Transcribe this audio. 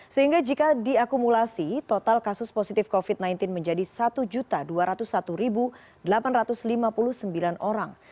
sehingga jika diakumulasi total kasus positif covid sembilan belas menjadi satu dua ratus satu delapan ratus lima puluh sembilan orang